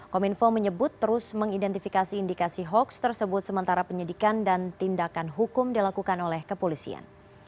kominfo menyebut terus mengidentifikasi indikasi hoax tersebut sementara penyidikan dan tindakan hukum dilakukan oleh kepolisian